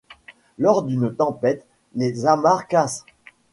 Lors d'une tempête, les amarres cassent.